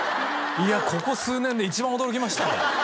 いやここ数年で一番驚きましたね